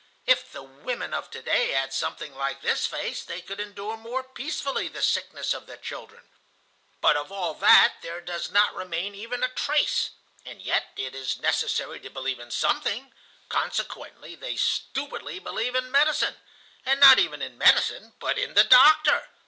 If the women of to day had something like this faith, they could endure more peacefully the sickness of their children. But of all that there does not remain even a trace. And yet it is necessary to believe in something; consequently they stupidly believe in medicine, and not even in medicine, but in the doctor.